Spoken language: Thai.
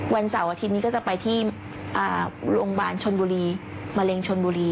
วันเสาร์อาทิตย์นี้ก็จะไปที่โรงพยาบาลชนบุรี